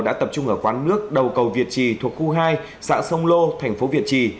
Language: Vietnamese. đã tập trung ở quán nước đầu cầu việt trì thuộc khu hai xã sông lô thành phố việt trì